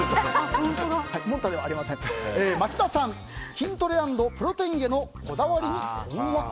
筋トレ＆プロテインへのこだわりに困惑？